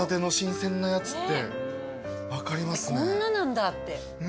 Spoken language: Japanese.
こんななんだって。